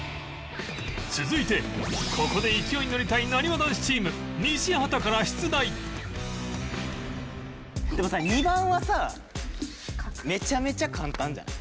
続いてここで勢いにのりたいなにわ男子チーム西畑から出題でもさ２番はさめちゃめちゃ簡単じゃない？